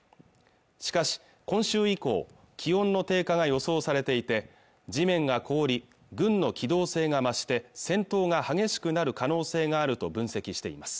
しかし今週以降気温の低下が予想されていて地面が凍り軍の機動性が増して戦闘が激しくなる可能性があると分析しています